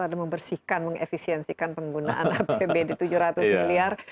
ada membersihkan mengefisiensikan penggunaan apbd tujuh ratus miliar